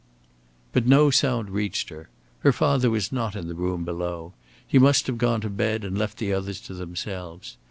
But no sound reached her. Her father was not in the room below. He must have gone to bed and left the others to themselves.